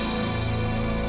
gue bersama di situ